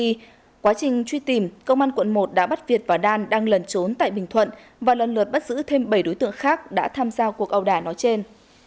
trong khi quá trình truy tìm công an quận một đã bắt việt và đan đang lần trốn tại bình thuận và lần lượt bắt giữ thêm bảy đối tượng khác đã tham gia cuộc ẩu đả nói trên